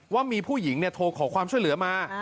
ว่ามีผู้หญิงโทรขอความช่วยเหลือมา